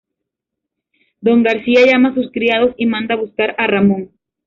Don García llama a sus criados y manda a buscar a Ramón.